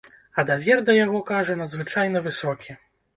А давер да яго, кажа, надзвычайна высокі.